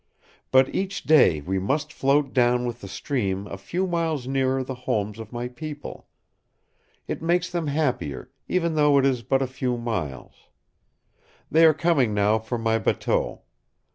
But each day we must float down with the stream a few miles nearer the homes of my people. It makes them happier, even though it is but a few miles. They are coming now for my bateau.